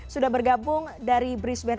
sudah bergabung dari brisbane